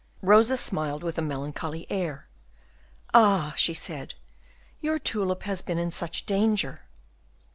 Rosa smiled with a melancholy air. "Ah!" she said, "your tulip has been in such danger."